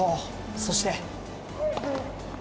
そして。